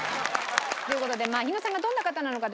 という事で日野さんがどんな方なのかという。